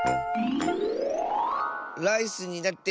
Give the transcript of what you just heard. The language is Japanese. ライスになって